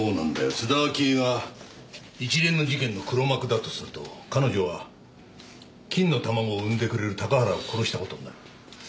津田明江が一連の事件の黒幕だとすると彼女は金の卵を生んでくれる高原を殺した事になる。